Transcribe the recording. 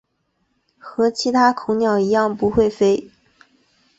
和其他恐鸟一样不会飞。